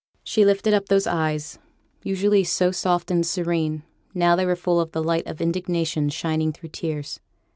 She lifted up those eyes, usually so soft and serene; now they were full of the light of indignation shining through tears.